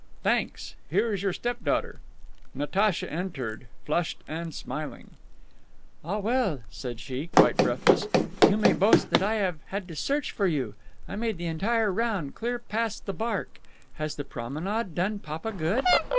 "Thanks. Here is your step daughter." Natacha entered, flushed and smiling. "Ah, well," said she, quite breathless, "you may boast that I had to search for you. I made the entire round, clear past the Barque. Has the promenade done papa good?"